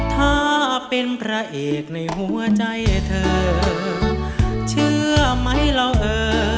ถ้าเป็นพระเอกในหัวใจเธอเชื่อไหมเราเออ